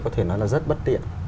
có thể nói là rất bất tiện